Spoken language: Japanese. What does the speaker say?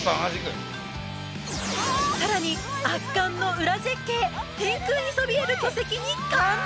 さらに圧巻のウラ絶景天空にそびえる巨石に感動！